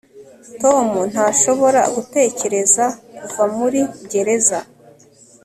tom ntashobora gutegereza kuva muri gereza